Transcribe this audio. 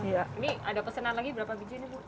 ini ada pesanan lagi berapa biji ini bu